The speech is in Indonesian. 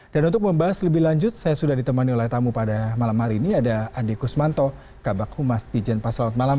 dan untuk membahas lebih lanjut saya sudah ditemani oleh tamu pada malam hari ini ada andi kusmanto kabak humas dijen pasalat malam